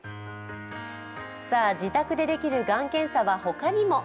自宅でできるがん検査は他にも。